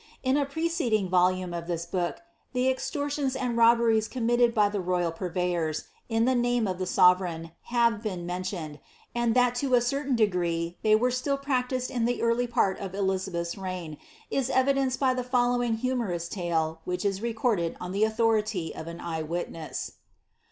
In a pre ceding volume of this work, the extortions and robberies committed by the royal purveyors, in the name of the sovereign, have been mentioned, and that to a certain degree they were still practised in the early part of Elizabeth's reign, is evidenced by the following humorous tale, which is recorded on the authority of an eye witness.